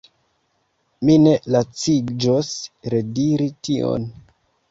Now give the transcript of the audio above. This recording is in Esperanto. Mi ne laciĝos rediri tion.